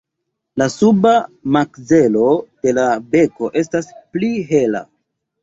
La suba makzelo de la beko estas pli hela.